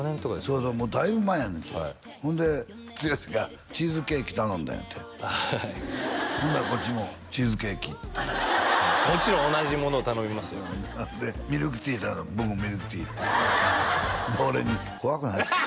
そうそうもうだいぶ前やねんてほんで剛がチーズケーキ頼んだんやてほんならこっちも「チーズケーキ」ってもちろん同じものを頼みますよ「ミルクティー」言うたら「僕もミルクティー」ってで俺に「怖くないですか？」